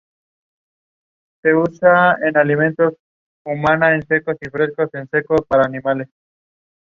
No les alcanzaba el dinero; comían tortillas y ocasionalmente frijoles.